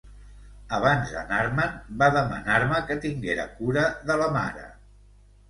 Abans d’anar-me’n, va demanar-me que tinguera cura de la mare.